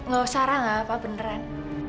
gak usah ra gak apa apa beneran